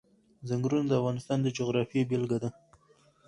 ځنګلونه د افغانستان د جغرافیې بېلګه ده.